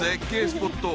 スポット